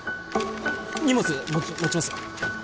荷物持ちます